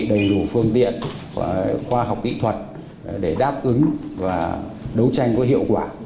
đầy đủ phương tiện khoa học kỹ thuật để đáp ứng và đấu tranh có hiệu quả